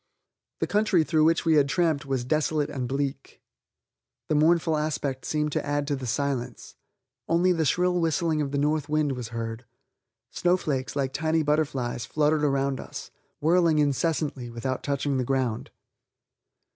The country through which we tramped was desolate and bleak, the mournful aspect seemed to add to the silence; only the shrill whistling of the north wind was heard. Snowflakes, like tiny butterflies, fluttered around us, whirling incessantly without touching the ground.